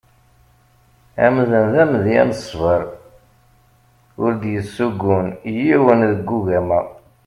Amdan d amedya n ṣsber ur d-yessugun yiwen deg ugama.